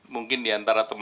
mungkin diantara beberapa